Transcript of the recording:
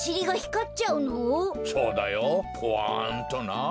そうだよポワンとな。